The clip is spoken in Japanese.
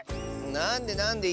なんでなんで。